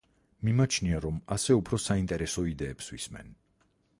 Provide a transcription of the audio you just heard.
მიმაჩნია, რომ ასე უფრო საინტერესო იდეებს ვისმენ.